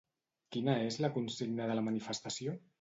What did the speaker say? Quina és la consigna de la manifestació?